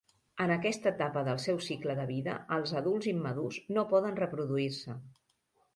En aquesta etapa del seu cicle de vida, els adults immadurs no poden reproduir-se.